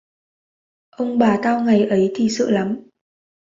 Ông bà tao ngày ấy thì sợ lắm